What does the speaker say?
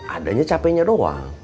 adanya capeknya doang